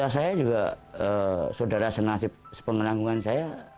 ya perintah saya juga saudara sengasip sepengenanggungan saya